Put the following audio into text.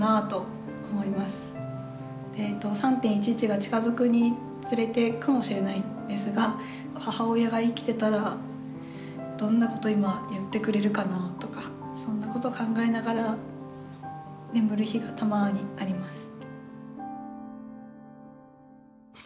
３．１１が近づくにつれてかもしれないですが母親が生きてたらどんなこと今言ってくれるかなとかそんなこと考えながら眠る日がたまにあります。